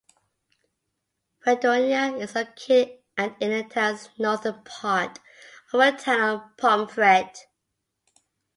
Fredonia is located at in the northern part of the town of Pomfret.